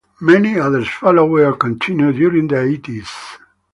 Many others followed or continued during the eighties.